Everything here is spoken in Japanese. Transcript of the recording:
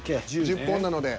１０本なので。